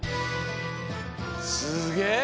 すげえ！